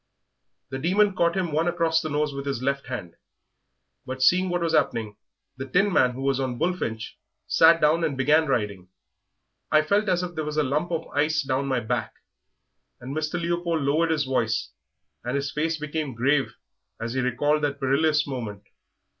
The Demon caught him one across the nose with his left hand, but seeing what was 'appening, the Tinman, who was on Bullfinch, sat down and began riding. I felt as if there was a lump of ice down my back," and Mr. Leopold lowered his voice, and his face became grave as he recalled that perilous moment.